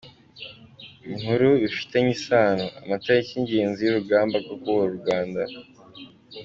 Inkuru bifitanye isano: Amatariki y’ingenzi y’ urugamba rwo kubohora u Rwanda.